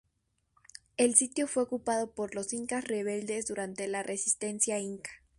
El sitio fue ocupado por los incas rebeldes durante la resistencia inca.